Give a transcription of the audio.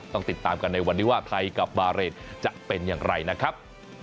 ต้องติดตามกันในวันนี้ว่าไทยกับบาเรนจะเป็นอย่างไรนะครับ